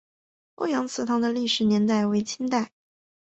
欧阳氏祠堂的历史年代为清代。